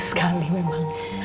panik sekali memang